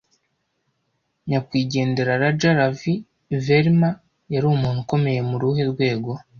Nyakwigendera Raja Ravi Verma, yari umuntu ukomeye mu uruhe rwego